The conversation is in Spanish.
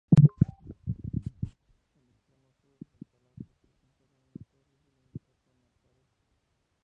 En el extremo sur del palacio se conserva una torre cilíndrica con aparejo.